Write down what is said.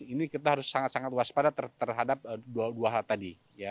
ini kita harus sangat sangat waspada terhadap dua hal tadi